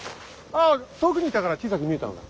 ああ遠くにいたから小さく見えたのだ。